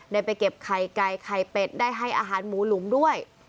ได้ไปเก็บไข่ไก่ไข่เป็ดได้ให้อาหารหมูหลุมด้วย